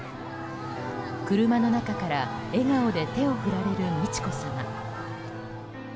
車の中から笑顔で手を振られる美智子さま。